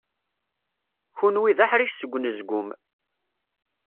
Kenwi d aḥric seg unezgum.